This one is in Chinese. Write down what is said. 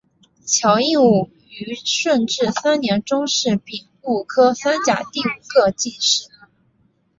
乔映伍于顺治三年中式丙戌科三甲第五名进士。